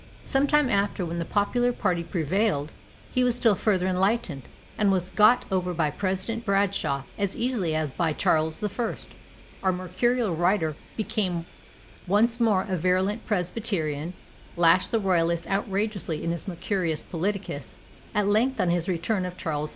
Some time after, when the popular party prevailed, he was still further enlightened, and was got over by President Bradshaw, as easily as by Charles I. Our Mercurial writer became once more a virulent Presbyterian, and lashed the royalists outrageously in his "Mercurius Politicus;" at length on the return of Charles II.